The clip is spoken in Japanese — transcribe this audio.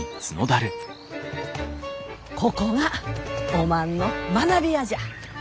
ここがおまんの学びやじゃ。